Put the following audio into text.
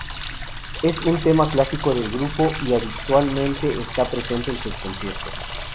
Es un tema clásico del grupo, y habitualmente está presente en sus conciertos.